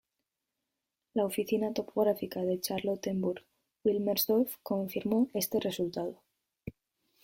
La Oficina Topográfica de Charlottenburg-Wilmersdorf confirmó este resultado.